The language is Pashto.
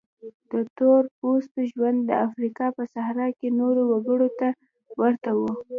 د تور پوستو ژوند د افریقا په صحرا کې نورو وګړو ته ورته و.